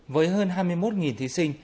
với hơn hai mươi một thí sinh